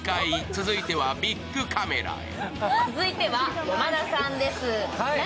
続いては、ビックカメラへ。